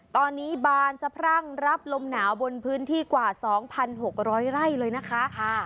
ตอนนี้บานสะพรั่งรับลมหนาวบนพื้นที่กว่า๒๖๐๐ไร่เลยนะคะ